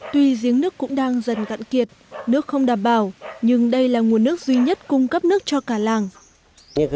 tuy giếng nước cũng đang dần cạn kiệt nước không đảm bảo nhưng đây là nguồn nước duy nhất cung cấp nước cho cả làng